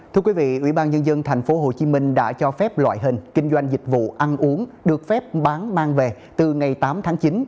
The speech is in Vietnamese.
thưa quý vị ubnd tp hcm đã cho phép loại hình kinh doanh dịch vụ ăn uống được phép bán mang về từ ngày tám tháng chín